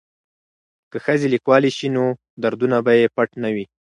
که ښځې لیکوالې شي نو دردونه به یې پټ نه وي.